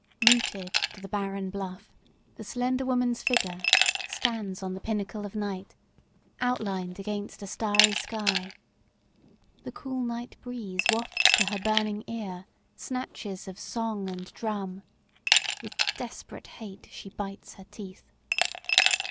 Rooted to the barren bluff the slender woman's figure stands on the pinnacle of night, outlined against a starry sky. The cool night breeze wafts to her burning ear snatches of song and drum. With desperate hate she bites her teeth.